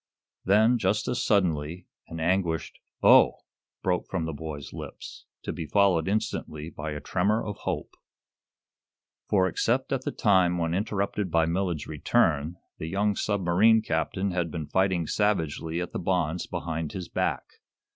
Then, just as suddenly, an anguished "oh!" broke from the boy's lips, to be followed, instantly, by a tremor of hope. For, except at the time when interrupted by Millard's return, the young submarine captain had been fighting savagely at the bonds behind his back.